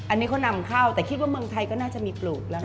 อันนี้เขานำเข้าแต่คิดว่าเมืองไทยก็น่าจะมีปลูกแล้วนะ